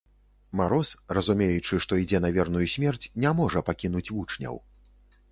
Мароз, разумеючы, што ідзе на верную смерць, не можа пакінуць вучняў.